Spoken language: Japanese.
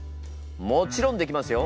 もちろんできますよ。